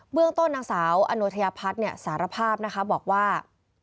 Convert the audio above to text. เบื้องต้นนางสาวอโนเทียพัฒน์สารภาพบอกว่า